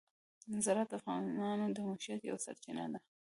زراعت د افغانانو د معیشت یوه سرچینه ده.